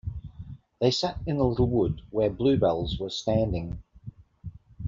They sat in the little wood where bluebells were standing.